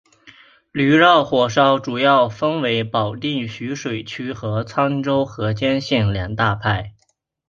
驴肉火烧主要分为保定徐水区和沧州河间县两大派。